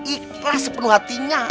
ikhlas sepenuh hatinya